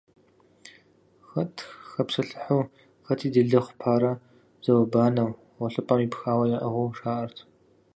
Хэт хэпсэлъыхьу, хэти делэ хъупарэ зауэ-банэу, гъуэлъыпӏэм ипхауэ яӏыгъыу жаӏэрт.